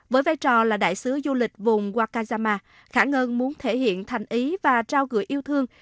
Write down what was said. với vai trò là đại sứ du lịch vùng wakayama khả ngân muốn thể hiện thành ý và trao gửi yêu thương